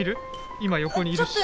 今横にいるし。